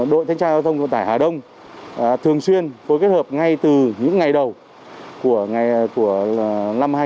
đội thánh trai giao thông công tải hà đông thường xuyên phối kết hợp ngay từ những ngày đầu của năm hai nghìn hai mươi hai